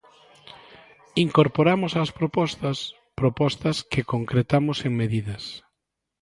Incorporamos as propostas, propostas que concretamos en medidas.